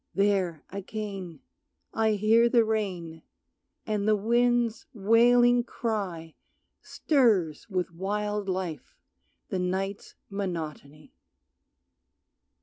There, again, I hear the rain, and the wind's wailing cry Stirs with wild life the night's monotony.